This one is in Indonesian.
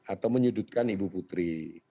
atau menyudutkan ibu putri